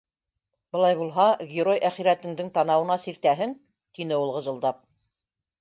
Былай булһа, герой әхирәтеңдең танауына сиртәһең! - тине ул ғыжылдап.